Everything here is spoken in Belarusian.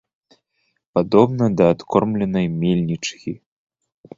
Падобна да адкормленай мельнічыхі.